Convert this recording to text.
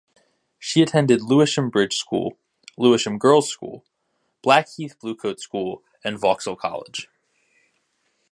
She attended Lewisham Bridge School, Lewisham Girls School, Blackheath Bluecoat School and Vauxhall College.